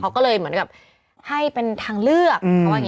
เขาก็เลยเหมือนกับให้เป็นทางเลือก